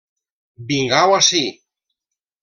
Vingau ací.